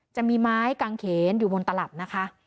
จะมีไม้กางเขนอยู่บนตลับนะคะ